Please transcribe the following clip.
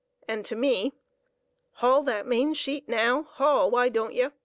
and to me, "Haul that main sheet, naow; haul, why don't ye?"